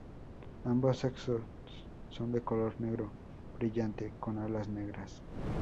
Ambos sexos son de color negro brillante con alas negras.